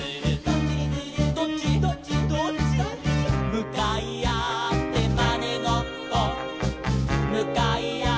「むかいあってまねごっこ」「むかいあってまねごっこ」